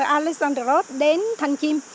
alessandro đến thanh chim